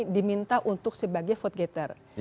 diminta untuk sebagai vote gator